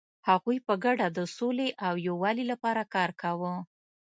هغوی په ګډه د سولې او یووالي لپاره کار کاوه.